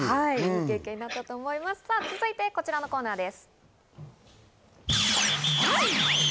続いてこちらのコーナーです。